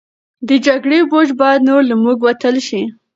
د جګړې بوج باید نور له موږ وتل شي.